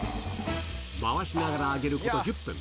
回しながら揚げること１０分。